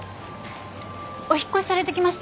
お引っ越しされてきましたよね？